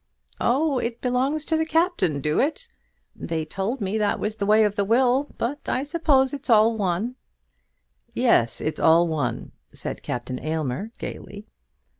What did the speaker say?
"Oh; it belongs to the Captain, do it? They told me that was the way of the will; but I suppose it's all one." "Yes; it's all one," said Captain Aylmer, gaily.